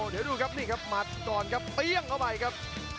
เดี๋ยวดูครับนี่ครับหมัดก่อนครับเปรี้ยงเข้าไปครับ